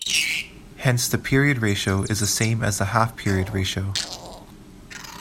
Hence the period ratio is the same as the "half-period ratio".